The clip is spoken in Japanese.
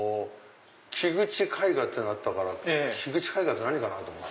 キグチ絵画ってのがあったからキグチ絵画って何かなって思って。